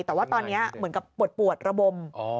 แต่ว่าตอนนี้เหมือนกับปวดระบม